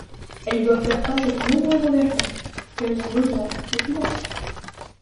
Elles doivent faire face à de nombreux engagements, qu’elles ont besoin de financer.